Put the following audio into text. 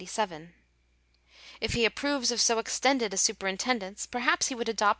If he approves of so extended a superintendence, perhaps he would adopt M.